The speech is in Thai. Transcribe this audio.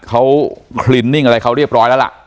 เขาคลินนิ่งอะไรเขาเรียบร้อยแล้วล่ะ